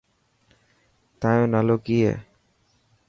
تايو نالو ڪي هي.